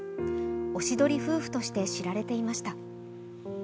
おしどり夫婦として知られていました。